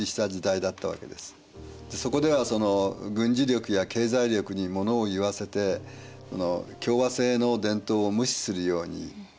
そこではその軍事力や経済力にものをいわせて共和政の伝統を無視するようになってしまうと。